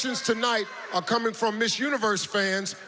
นี่ฮะ